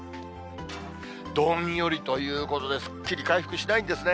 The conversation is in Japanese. どんよりということで、すっきり回復しないんですね。